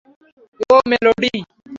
ওহ, melody.